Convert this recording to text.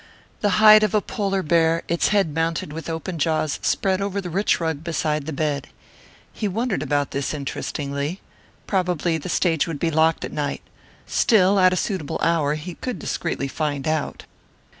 The hide of a polar bear, its head mounted with open jaws, spread over the rich rug beside the bed. He wondered about this interestingly. Probably the stage would be locked at night. Still, at a suitable hour, he could descreetly find out.